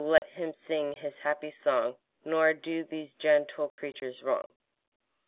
let him sing his happy song, Nor do these gentle creatures wrong.